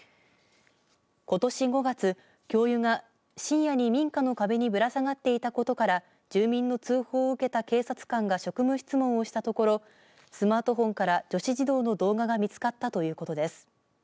ことし５月教諭が深夜に民家の壁にぶら下がっていたことから住民の通報を受けた警察官が職務質問をしたところスマートフォンから女子児童の動画が見つかったということです。